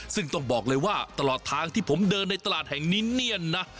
ซึ่งต้องบอกเลยว่าตลอดทางที่ผมเดินในตลาดแห่งนี้เนี่ยนะ